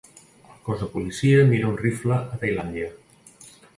El cos de policia mira un rifle a Tailàndia.